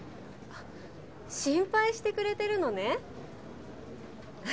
あっ心配してくれてるのね